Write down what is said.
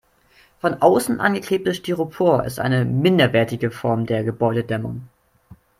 Von außen angeklebtes Styropor ist eine minderwertige Form der Gebäudedämmung.